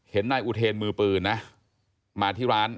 นายอุเทนมือปืนนะมาที่ร้าน